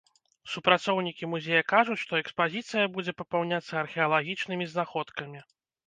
Супрацоўнікі музея кажуць, што экспазіцыя будзе папаўняцца археалагічнымі знаходкамі.